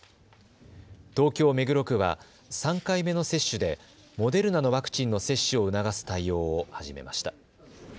東京目黒区は３回目の接種でモデルなどワクチンの接種を促す対応を始めました。